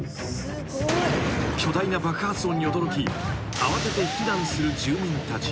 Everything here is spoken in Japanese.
［巨大な爆発音に驚き慌てて避難する住民たち］